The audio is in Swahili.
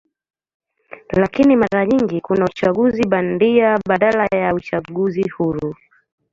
Lakini mara nyingi kuna uchaguzi bandia badala ya uchaguzi huru.